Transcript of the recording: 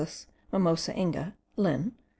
(Mimosa Inga, Linn.).